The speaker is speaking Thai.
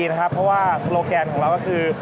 เพราะว่าโซโลแกนของเราก็คือ